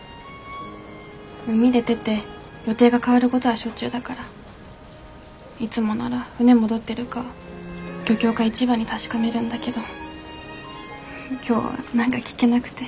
海出てて予定が変わるごどはしょっちゅうだからいつもなら船戻ってるか漁協か市場に確かめるんだけど今日は何か聞けなくて。